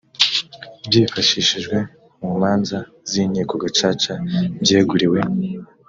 byifashishijwe mu manza z inkiko gacaca byeguriwe